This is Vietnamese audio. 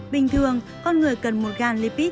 bình thường con người cần một gan lipid